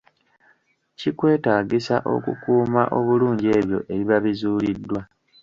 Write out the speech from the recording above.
Kitwetaagisa okukuuma obulungi ebyo ebiba bizuuliddwa.